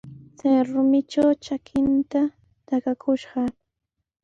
Chay rumitraw trakinta takakushqa.